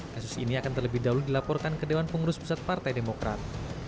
kasus ini akan terlebih dahulu dilaporkan ke dewan pengurus pusat partai demokrat